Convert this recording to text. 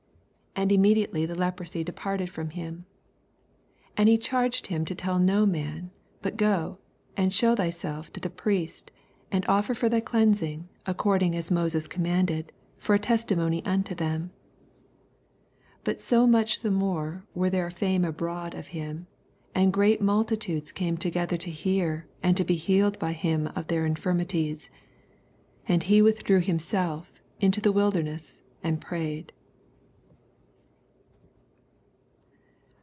And immediato«7 the leprosy departed from him. 14 And he charged him to toll no man : bat p>j and shew thyself to the Priest, and offer for thy cleansing, ■ooorcUng as Moses commanded, for a testimony onto them. 15 Bat so mach the more went thert a fame abroad of him ; and great mal titades came together to hear, and to be healed by him of their infirmities. 16 And he withdrew himself into the wilderness, and prayed.